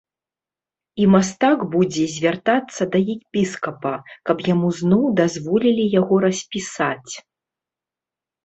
І мастак будзе звяртацца да епіскапа, каб яму зноў дазволілі яго распісаць.